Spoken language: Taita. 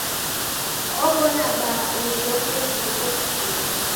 Ow'ona baa ujhoke kuliko kusea.